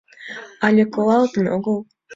— Але колалтын огыл...